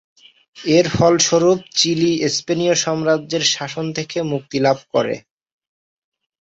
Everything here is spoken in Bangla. এর ফলস্বরূপ চিলি স্পেনীয় সাম্রাজ্যের শাসন থেকে মুক্তি লাভ করে।